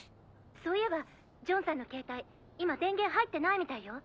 そういえばジョンさんのケータイ今電源入ってないみたいよ。